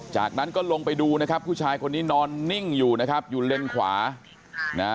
จากนั้นก็ลงไปดูนะครับผู้ชายคนนี้นอนนิ่งอยู่นะครับอยู่เลนขวานะฮะ